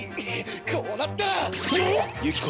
こうなったら。